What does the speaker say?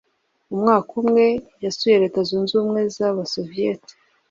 Umwaka umwe, yasuye Leta Zunze Ubumwe z'Abasoviyeti.